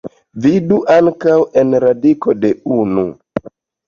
Vidu ankaŭ en radiko de unu.